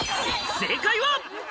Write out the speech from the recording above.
正解は。